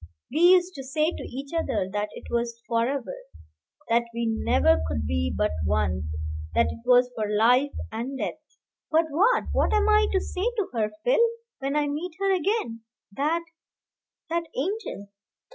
We used to say to each other that it was forever, that we never could be but one, that it was for life and death. But what what am I to say to her, Phil, when I meet her again, that that angel?